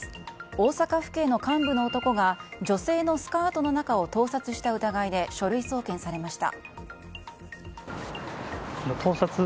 大阪府警の幹部の男が女性のスカートの中を盗撮した疑いで書類送検されました。